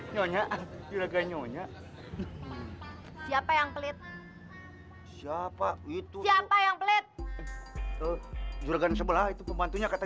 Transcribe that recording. nyonya juragan nyonya siapa yang pelit siapa itu siapa yang pelit juragan sebelah itu pembantunya kata